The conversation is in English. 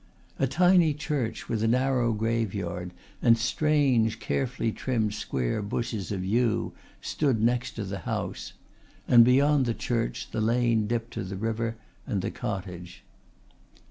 A tiny church with a narrow graveyard and strange carefully trimmed square bushes of yew stood next to the house, and beyond the church the lane dipped to the river and the cottage.